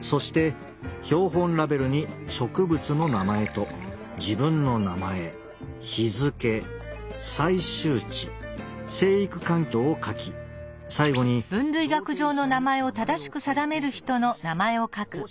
そして標本ラベルに植物の名前と自分の名前日付採集地生育環境を書き最後に同定者に名前を書いていただきます。